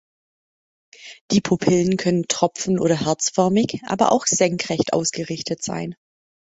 Die Pupillen können tropfen- oder herzförmig, aber auch senkrecht ausgerichtet sein.